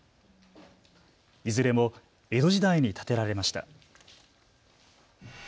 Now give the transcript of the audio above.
いずれも江戸時代に建てられました。。